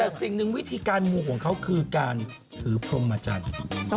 แต่สิ่งหนึ่งวิธีการมูของเขาคือการถือพรมจันทร์